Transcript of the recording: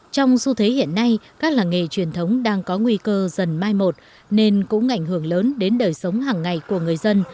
trong xu thế hiện nay các làng nghề truyền thống đang có nguy cơ dần mai một nên cũng ảnh hưởng lớn đến đời sống hàng ngày của người dân